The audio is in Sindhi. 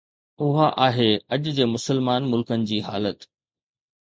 اها آهي اڄ جي مسلمان ملڪن جي حالت